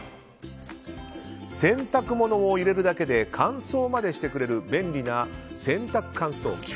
洗濯物を入れるだけで乾燥までしてくれる便利な洗濯乾燥機。